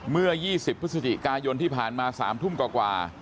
เมื่อ๒๐พฤศจิกายนที่ผ่านมา๓ทุ่มกว่า